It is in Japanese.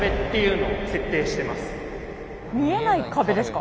見えない壁ですか。